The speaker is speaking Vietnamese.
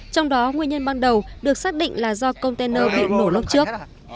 trong đó nguyên nhân ban đầu được xác định là do container bị nổ lốp trước